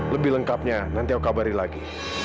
lebih lengkapnya nanti kau kabari lagi